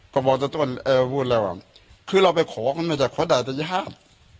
ก็บอกตอนนี้คือเราไปขอของคนอื่นแต่ขอได้จะยาก